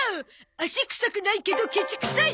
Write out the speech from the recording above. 足くさくないけどケチくさい！